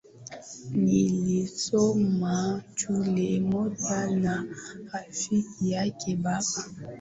Nilisoma shule moja na rafiki yake baba